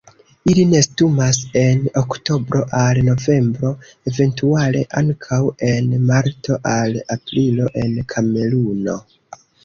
Ili nestumas en oktobro al novembro, eventuale ankaŭ en marto al aprilo en Kameruno.